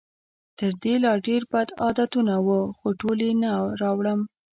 تر دې لا ډېر بد عادتونه وو، خو ټول یې نه راوړم.